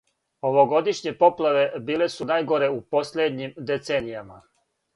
Овогодишње поплаве биле су најгоре у последњим деценијама.